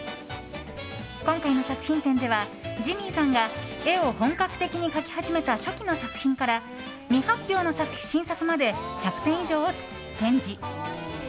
今回の作品展ではジミーさんが絵を本格的に描き始めた初期の作品から未発表の新作まで１００点以上を展示。